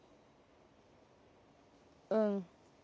うん。